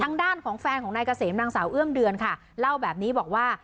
ทางด้านของแฟนของนายเกษมนางสาวเอื้อมเดือนค่ะเล่าแบบนี้บอกว่า